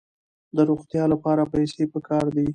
د روغتیا لپاره پیسې پکار دي.